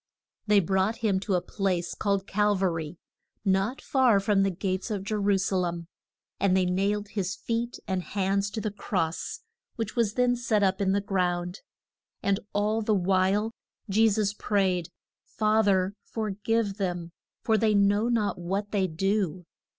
They brought him to a place called Cal va ry, not far from the gates of Je ru sa lem. And they nailed his feet and hands to the cross, which was then set up in the ground. And all the while Je sus prayed, Fa ther for give them, for they know not what they do.